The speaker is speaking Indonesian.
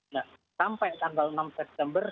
nah sampai tanggal enam september